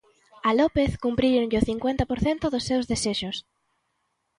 A López cumpríronlle o cincuenta por cento dos seus desexos.